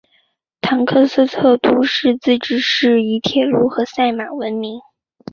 唐克斯特都市自治市以铁路和赛马闻名。